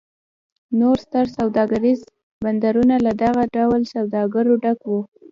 نور ستر سوداګریز بندرونه له دغه ډول سوداګرو ډک و.